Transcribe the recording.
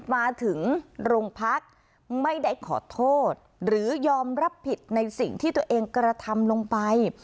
มาถึงโรงพักไม่ได้ขอโทษหรือยอมรับผิดในสิ่งที่ตัวเองกระทำลงไป